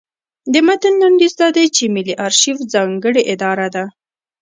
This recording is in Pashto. د متن لنډیز دا دی چې ملي ارشیف ځانګړې اداره ده.